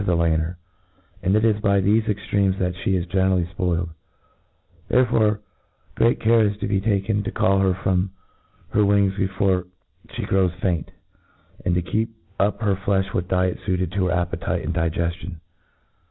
23^ the lanner j and it is by thefc extremes that fhe is generally fpoiled, Therfefore great care is to be taken to call her from her wings before fhe grows faint ) and to keep up her flefh with diet fuited to her appetitd and digeftion.